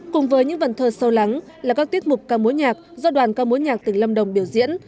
cùng với những vần thơ sâu lắng là các tiết mục ca mối nhạc do đoàn ca mối nhạc tỉnh lâm đồng biểu diễn